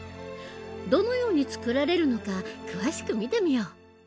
どのように作られるのか詳しく見てみよう！